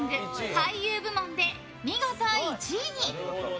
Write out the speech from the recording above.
俳優部門で見事１位に。